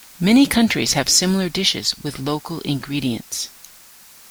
Many countries have similar dishes with local ingredients.